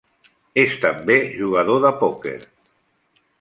És també jugador de pòquer.